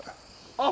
あっ！